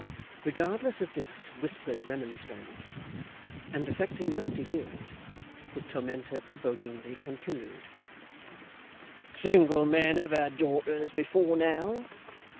Regardless of this whispered remonstrance, and affecting not to hear it, his tormentor provokingly continued: 'Single men have had daughters before now.